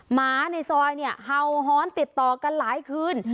หมาในซอยเนี่ยเห่าหอนติดต่อกันหลายคืน